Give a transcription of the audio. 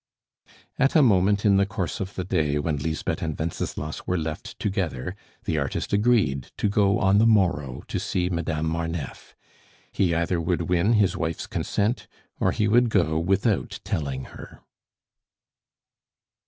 At a moment in the course of the day when Lisbeth and Wenceslas were left together, the artist agreed to go on the morrow to see Madame Marneffe he either would win his wife's consent, or he would go without telling her.